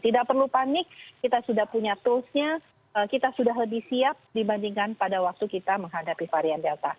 tidak perlu panik kita sudah punya toolsnya kita sudah lebih siap dibandingkan pada waktu kita menghadapi varian delta